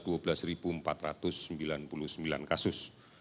jadi ini adalah seribu empat ratus sembilan puluh sembilan kasus